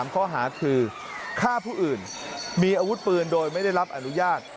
ข้อหาคือฆ่าผู้อื่นมีอาวุธปืนโดยไม่ได้รับอนุญาต